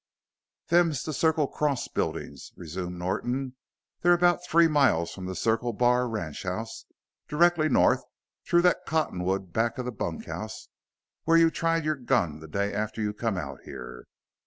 "Them's the Circle Cross buildings," resumed Norton. "They're about three miles from the Circle Bar ranchhouse, directly north through that cottonwood back of the bunkhouse where you tried your gun the day after you come out here.